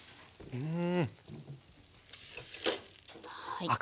うん。